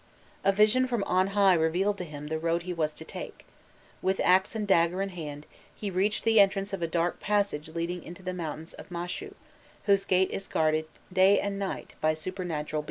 A vision from on high revealed to him the road he was to take. With axe and dagger in hand, he reached the entrance of a dark passage leading into the mountain of Mashu,* "whose gate is guarded day and night by supernatural beings."